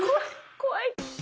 怖い。